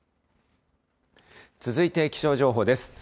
続いて気象情報です。